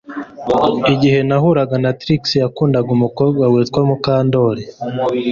Igihe nahuraga na Trix yakundaga umukobwa witwa Mukandoli